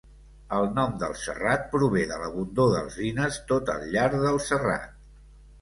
El nom del serrat prové de l'abundor d'alzines tot al llarg del serrat.